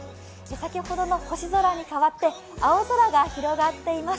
先ほどの星空にかわって、青空が広がっています。